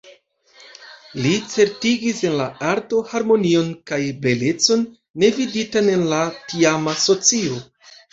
Li certigis en la arto harmonion kaj belecon, ne viditan en la tiama socio.